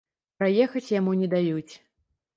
Праехаць яму не даюць.